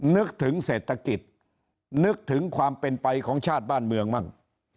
นึกถึงเศรษฐกิจนึกถึงความเป็นไปของชาติบ้านเมืองมั่ง